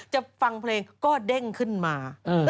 จะฟังเพลงก็เด้งขึ้นมา